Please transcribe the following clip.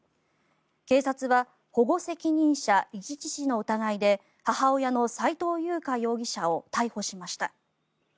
警察は保護責任者遺棄致死の疑いで母親の斉藤優花容疑者を逮捕しました。